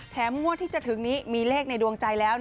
งวดที่จะถึงนี้มีเลขในดวงใจแล้ว